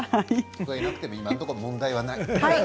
聞こえなくても今のところ問題はない。